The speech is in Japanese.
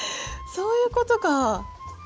そういうことか。